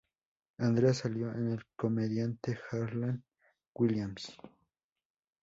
Andrea salió con el comediante Harlan Williams.